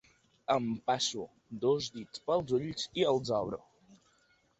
Em passo dos dits pels ulls i els obro.